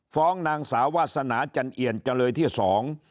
ฟ้องนางสาววาสนาจันเอียนจำเลยที่สอง